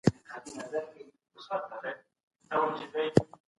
د تاريخ علم بايد په دقت زده کړو.